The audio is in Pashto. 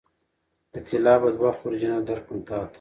د طلا به دوه خورجینه درکړم تاته